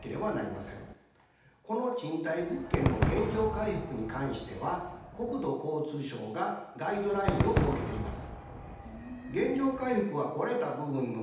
この賃貸物件の原状回復に関しては国土交通省がガイドラインを設けています。